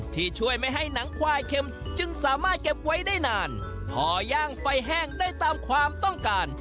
ที่ช่วยไม่ให้หนังควายเข็มจึงสามารถเก็บไว้ได้นานพย่างไฟแห้งได้ตามความต้องการ